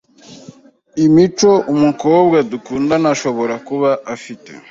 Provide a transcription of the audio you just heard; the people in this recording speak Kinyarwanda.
imico umukobwa mukundana ashobora kuba afite